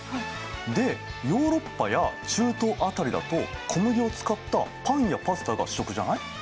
でヨーロッパや中東辺りだと小麦を使ったパンやパスタが主食じゃない？